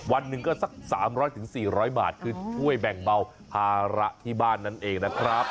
วันหนึ่งก็สัก๓๐๐๔๐๐บาทคือช่วยแบ่งเบาภาระที่บ้านนั่นเองนะครับ